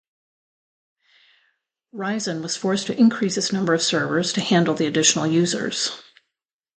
Rizon was forced to increase its number of servers to handle the additional users.